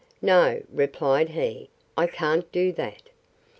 No, replied he, I can't do that.